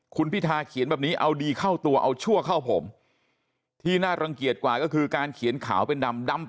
คุณพิธาเขียนแบบนี้เอาดีเข้าตัวเอาชั่วเข้าผม